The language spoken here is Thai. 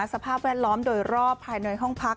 สภาพแวดล้อมโดยรอบภายในห้องพัก